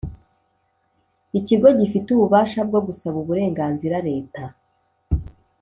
Ikigo gifite ububasha bwo gusaba uburenganzira leta